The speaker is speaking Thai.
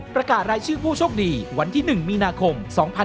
ประกาศรายชื่อผู้โชคดีวันที่๑มีนาคม๒๕๖๒